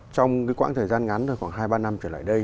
trong cái quãng thời gian ngắn khoảng hai ba năm trở lại đây